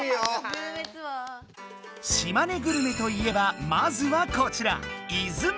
島根グルメといえばまずはこちら。